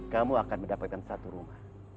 kamu akan mendapatkan satu rumah